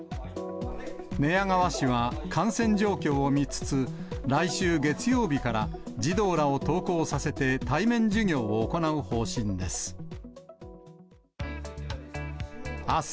寝屋川市は感染状況を見つつ、来週月曜日から児童らを登校させて対面授業を行う方針です。